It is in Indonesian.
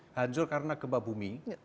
dihancur karena gempa bumi